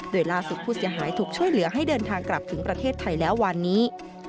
โดยล่าสุดผู้เสียหายถูกช่วยเหลือให้เดินทางกลับถึงประเทศไทยแล้ววันนี้